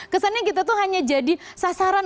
kesannya kita tuh hanya jadi sasaran